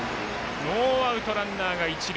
ノーアウト、ランナーが一塁。